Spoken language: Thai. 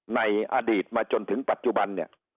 ในอดีตมาจนถึงปัจจุบัน